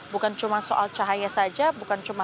bukan cuma soal cahaya saja bukan cuma